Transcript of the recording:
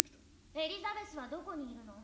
エリザベスはどこにいるの？